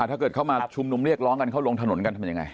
ถ้าเกิดเขามาชุมนุมเรียกร้องกันเขาลงถนนกันทำยังไง